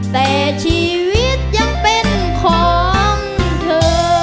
แต่ชีวิตยังเป็นของเธอ